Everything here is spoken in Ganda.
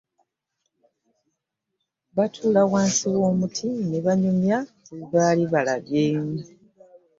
Batula wansi w'omunti ne banyumya ku bye baali balabye.